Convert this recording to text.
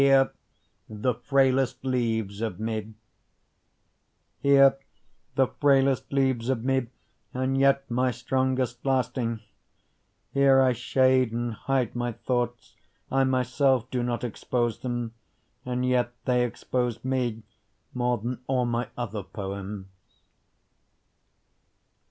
Here the Frailest Leaves of Me Here the frailest leaves of me and yet my strongest lasting, Here I shade and hide my thoughts, I myself do not expose them, And yet they expose me more than all my other poems.